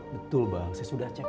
betul bang saya sudah cek